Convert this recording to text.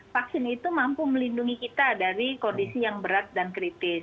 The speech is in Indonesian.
vaksin itu mampu melindungi kita dari kondisi yang berat dan kritis